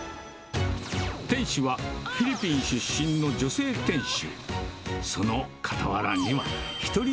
店主はフィリピン出身の女性店主。